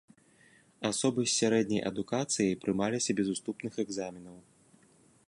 Асобы з сярэдняй адукацыяй прымаліся без уступных экзаменаў.